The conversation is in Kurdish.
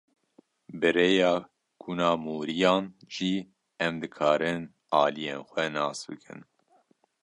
Bi rêya kuna mûriyan jî em dikarin aliyên xwe nas bikin.